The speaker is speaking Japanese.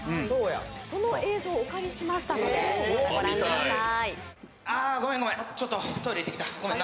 その映像をお借りしましたのでご覧ください。